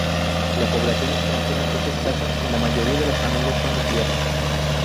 La población extranjera es escasa y la mayoría de las familias son nucleares.